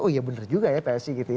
oh iya bener juga ya psi gitu ya